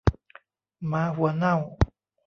หมาหัวเน่า